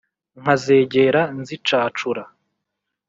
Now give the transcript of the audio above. Nkazegera nzicacura